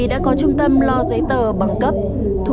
mai hôm qua đọc đồng của em